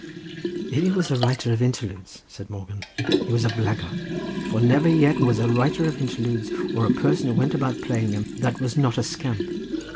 "If he was a writer of Interludes," said Morgan, "he was a blackguard; there never yet was a writer of Interludes, or a person who went about playing them, that was not a scamp.